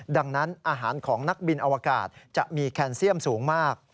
ดังนั้นอาหารของนักบินอวกาศจะมีแคนเซียมสูงมาก